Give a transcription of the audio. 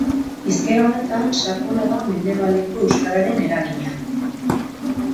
Hizkera honetan sakona da mendebaleko euskararen eragina.